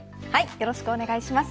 よろしくお願いします。